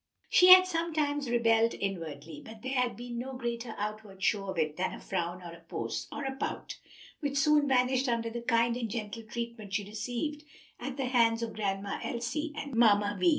She had sometimes rebelled inwardly, but there had been no greater outward show of it than a frown or a pout, which soon vanished under the kind and gentle treatment she received at the hands of Grandma Elsie and Mamma Vi.